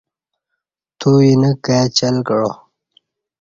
تو اینہ کای چل کعا